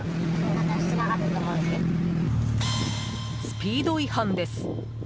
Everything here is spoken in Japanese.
スピード違反です！